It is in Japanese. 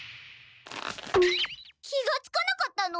気がつかなかったの？